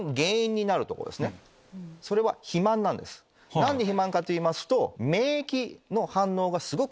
何で肥満かといいますと。